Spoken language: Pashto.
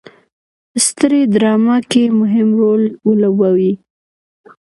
سترې ډرامه کې مهم رول ولوبوي.